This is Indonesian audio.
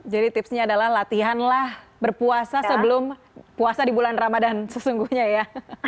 jadi tipsnya adalah latihan lah berpuasa sebelum puasa di bulan ramadhan sesungguhnya ya